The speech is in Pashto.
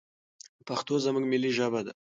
پښتو زموږ ملي ژبه ده.